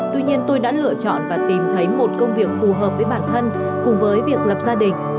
tuy nhiên tôi đã lựa chọn và tìm thấy một công việc phù hợp với bản thân cùng với việc lập gia đình